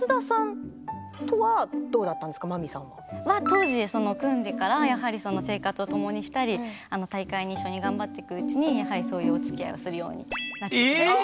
当時組んでからやはり生活を共にしたり大会に一緒に頑張っていくうちにやはりそういうおつきあいをするようになって。